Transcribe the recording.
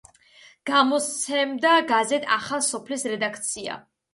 გამოსცემდა გაზეთ „ახალი სოფლის“ რედაქცია.